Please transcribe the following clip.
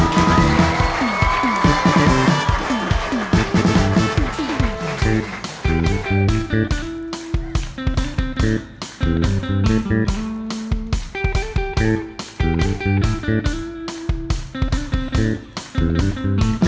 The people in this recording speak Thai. สวัสดีครับ